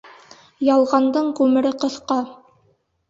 Ялғандың ғүмере ҡыҫҡа.